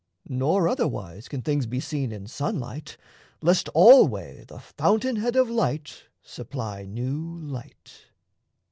Nor otherwise Can things be seen in sunlight, lest alway The fountain head of light supply new light.